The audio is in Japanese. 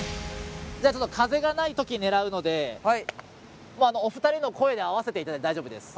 風がない時狙うのでお二人の声で合わせていただいて大丈夫です。